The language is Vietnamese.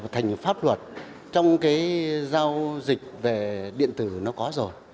thành pháp luật trong cái giao dịch về điện tử nó có rồi